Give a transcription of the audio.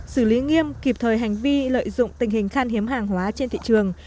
xử lý nghiêm kịp thời hành vi lợi dụng tình hình khan hiếm hàng hóa trên thị trường